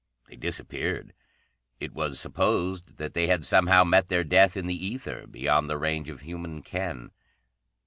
They disappeared. It was supposed that they had somehow met their death in the ether, beyond the range of human ken.